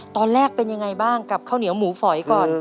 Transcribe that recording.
ตอนแรกเป็นยังไงบ้างกับข้าวเหนียวหมูฝอยก่อน